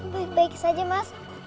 baik baik saja mas